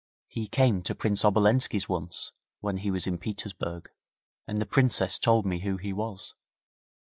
He came to Prince Obolenski's once, when he was in Petersburg, and the Princess told me who he was.'